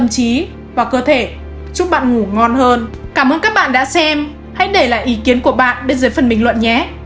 các bạn đã xem hãy để lại ý kiến của bạn bên dưới phần bình luận nhé